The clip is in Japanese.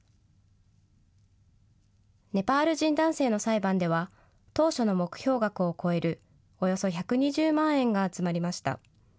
ネパール人男性の裁判では、当初の目標額を超えるおよそ１２０万円が集まりました。